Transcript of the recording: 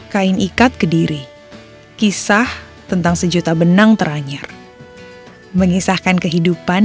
kain ikat kediri kisah tentang sejuta benang teranyar mengisahkan kehidupan